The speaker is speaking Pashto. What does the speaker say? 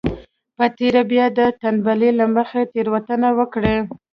په تېره بيا د تنبلۍ له مخې تېروتنه وکړي.